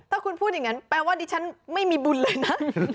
ถ้าคุณพูดอย่างนั้นแปลว่าดิฉันไม่มีบุญเลยนะ